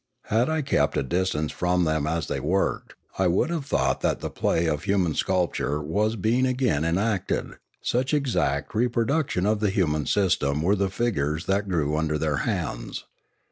Had I kept at a distance from them as they worked, I would 456 Limanora have thought that the play of human sculpture was being again enacted, such exact reproductions of the human system were the figures that grew under their hands.